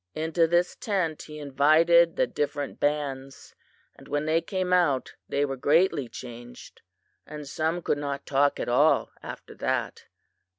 Into this tent he invited the different bands, and when they came out they were greatly changed, and some could not talk at all after that.